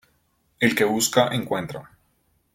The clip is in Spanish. El que busca encuentra.